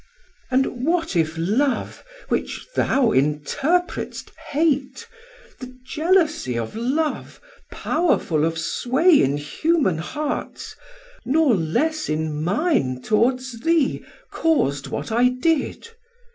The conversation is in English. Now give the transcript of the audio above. And what if Love, which thou interpret'st hate, 790 The jealousie of Love, powerful of sway In human hearts, nor less in mine towards thee, Caus'd what I did?